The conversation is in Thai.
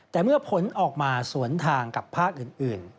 แต่เมื่อผลออกมาสวนทางกับภาคอื่น